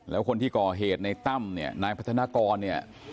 แล้วคนที่ก่อเหตุในตั้มเนี่ยนายพัฒนากรเนี่ย